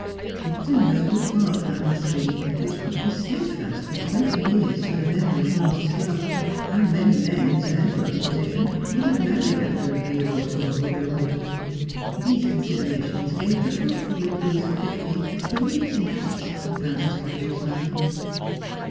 What a noble heart that must be which could be steadfast for twenty years to the memory of a lost love ! How many men in Sir Everard's position would have married after a year or two of widowhood ! These considerations gave the thoughtful recluse of fifty a curious interest in Frances Grange's mind.